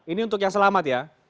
ini untuk yang selamat ya